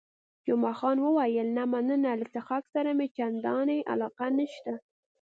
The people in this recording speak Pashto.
جمعه خان وویل، نه مننه، له څښاک سره مې چندانې علاقه نشته.